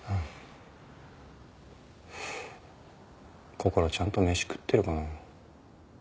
こころちゃんと飯食ってるかな？